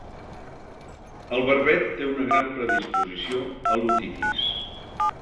El Barbet té una gran predisposició a l'otitis.